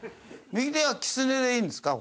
右手はキツネでいいんですか？